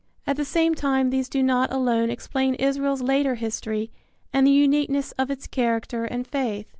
At the same time these do not alone explain Israel's later history and the uniqueness of its character and faith.